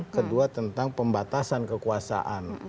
kedua tentang pembatasan kekuasaan